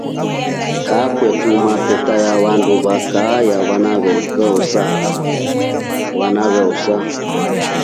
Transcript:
Kaa kwete mateta ya wandu wa kaa ya wana wose.